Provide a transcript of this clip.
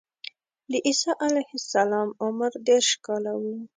د عیسی علیه السلام عمر دېرش کاله و.